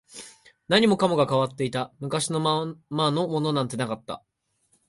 何もかもが変わっていた、昔のままのものなんてなかった